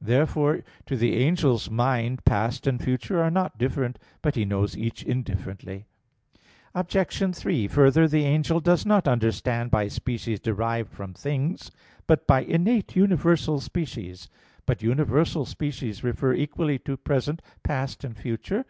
Therefore, to the angel's mind, past and future are not different, but he knows each indifferently. Obj. 3: Further, the angel does not understand by species derived from things, but by innate universal species. But universal species refer equally to present, past, and future.